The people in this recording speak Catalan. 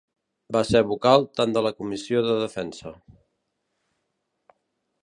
Va ser vocal tant de la Comissió de Defensa.